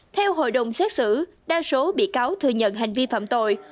theo hội đồng xét xử đa số bị cáo thừa nhận hành vi phạm tội